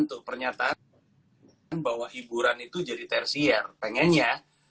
nah sebenernya sebenernya saya pengen pengenkan tuh pernyataan bahwa hiburan itu jadi tertiar pengen ya